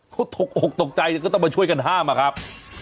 เขาตกอกตกใจก็ต้องมาช่วยกันห้ามอะครับ